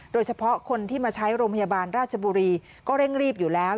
โดยเฉพาะคนที่มาใช้โรงพยาบาลราชบุรีก็เร่งรีบอยู่แล้ว